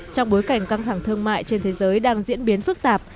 trong bối cảnh căng thẳng thương mại trên thế giới đang diễn biến phức tạp